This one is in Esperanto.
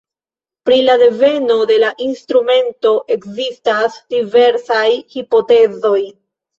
Pri la deveno de la instrumento ekzistas diversaj hipotezoj.